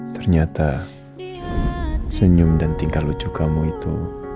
ternyata senyum dan tinggal lucu kamu itu